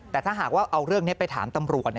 แต่ถ้าหากว่าเอาเรื่องนี้ไปถามตำรวจ